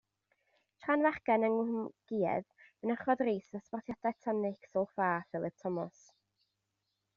Tra yn fachgen yng Nghwmgïedd mynychodd Rees ddosbarthiadau tonic sol-ffa Phylip Thomas.